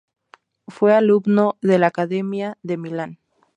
Fue alumno de la Academia de Milán.